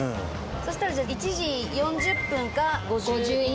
そしたらじゃあ１時４０分か５１分。